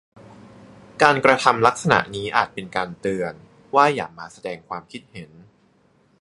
การกระทำลักษณะนี้อาจเป็นการเตือนว่าอย่ามาแสดงความคิดเห็น